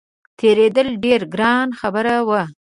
تېرېدل ډېره ګرانه خبره وه.